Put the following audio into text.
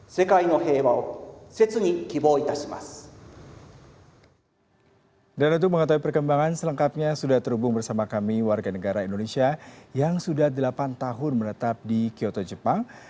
selamat sore mengatakan perkembangan selengkapnya sudah terhubung bersama kami warga negara indonesia yang sudah delapan tahun menetap di kyoto jepang